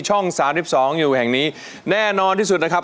ช่อง๓๒อยู่แห่งนี้แน่นอนที่สุดนะครับ